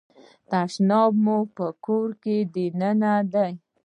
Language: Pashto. تشناب مو په کور کې دننه دی؟